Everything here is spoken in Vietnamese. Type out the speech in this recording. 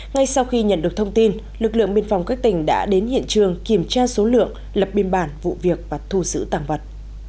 ngay sau khi nhận được thông tin lực lượng biên phòng các tỉnh đã đến hiện trường kiểm tra số lượng lập biên bản vụ việc và thu xử tàng vật